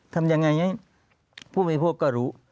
ทำอย่างไรผู้บริโภคก็รู้